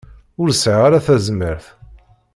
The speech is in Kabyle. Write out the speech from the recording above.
Ur sɛiɣ ara tazmert.